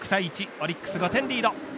オリックス５点リード。